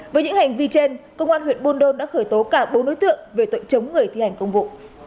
với những hành vi trên công an huyện buôn đôn đã khởi tố cả bốn đối tượng về tội chống người thi hành công vụ